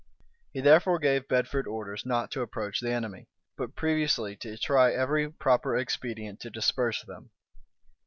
He therefore gave Bedford orders not to approach the enemy; but previously to try every proper expedient to disperse them.